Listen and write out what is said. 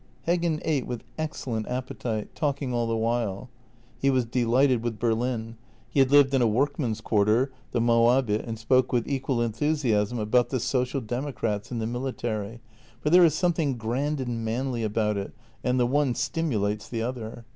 " Heggen ate with excellent appetite, talking all the while. He was delighted with Berlin; he had lived in a workmen's quarter — the Moabit — and spoke with equal enthusiasm about the social democrats and the military, for " there is something grand and manly about it, and the one stimulates the other."